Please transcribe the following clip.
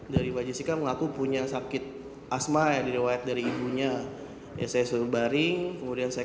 dari wajisika ngaku punya sakit asma yang diriwayat dari ibunya yacommaring kemudian saya